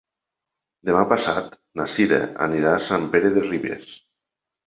Demà passat na Cira anirà a Sant Pere de Ribes.